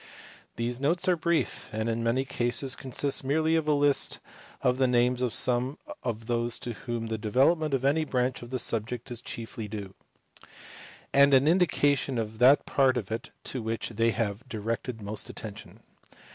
These notes are brief, and in many cases consist merely of a list of the names of some of those to whom the development of any branch of the subject is chiefly due, and an indication of that part of it to which they have directed most attention.